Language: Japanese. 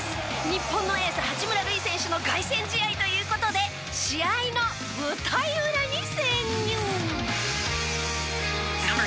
日本のエース八村塁選手の凱旋試合という事で試合の舞台裏に潜入。